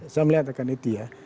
saya melihat akan itu ya